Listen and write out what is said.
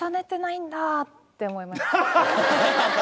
って思いました。